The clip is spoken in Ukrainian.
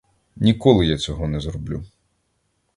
Ніколи я цього не зроблю.